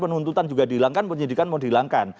penuntutan juga dihilangkan penyidikan mau dihilangkan